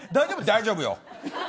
大丈夫よ。